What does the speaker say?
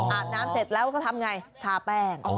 อาบน้ำเสร็จแล้วก็ทำไงทาแป้ง